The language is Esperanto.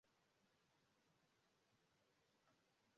Tiu batalo estis la unua serioza malvenko de la franca "granda armeo".